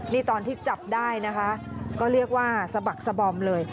นี่ตอนที่จับได้นะคะก็เรียกว่าสะบักสะบอมเลย